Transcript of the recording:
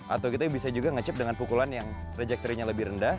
atau kita bisa juga ngechip dengan pukulan yang trajectory nya lebih rendah